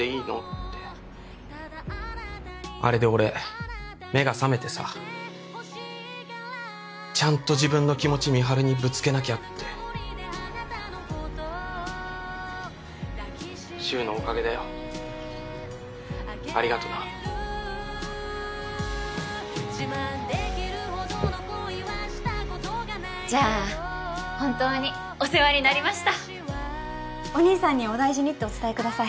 ってあれで俺目が覚めてさちゃんと自分の気持ち美晴にぶつけなきゃって☎柊のおかげだよ☎ありがとなうんじゃあ本当にお世話になりましたお義兄さんにお大事にってお伝えください